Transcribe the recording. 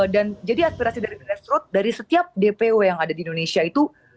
dan jadi aspirasi dari dpr strut dari setiap dpw yang ada di indonesia itu